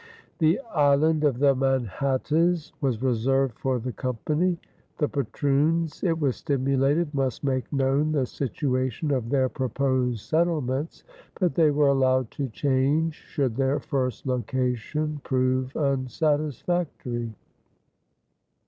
"The island of the Manhattes" was reserved for the Company. The patroons, it was stipulated, must make known the situation of their proposed settlements, but they were allowed to change should their first location prove unsatisfactory.